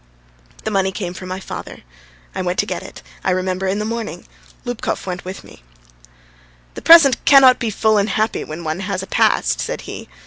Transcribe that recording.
The money came from my father. I went to get it, I remember, in the morning. Lubkov went with me. "The present cannot be full and happy when one has a past," said he.